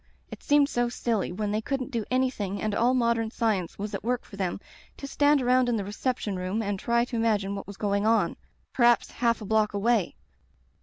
It seemed so silly, when they couldn't do anything and all modem science was at work for them, to stand around in the reception room and try to imagine what was going on — ^perhaps half a block away.